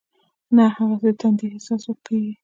نه هغسې د تندې احساس کېږي.